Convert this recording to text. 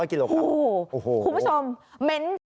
คุณผู้ชมเม้น